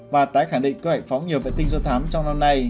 và tái khẳng định cơ hội phóng nhiều vệ tinh do thám trong năm nay